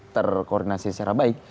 terkoordinasi secara baik